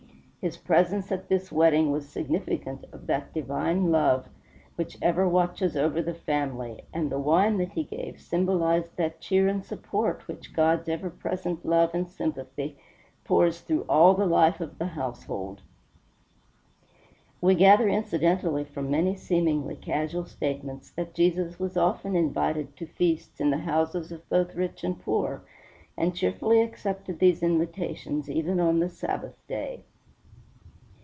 His presence at this wedding was significant of that divine love which ever watches over the family, and the wine that he gave symbolized that cheer and support which God's ever present love and sympathy pours through all the life of the household. We gather incidentally from many seemingly casual statements that Jesus was often invited to feasts in the houses of both rich and poor, and cheerfully accepted these invitations even on the Sabbath day.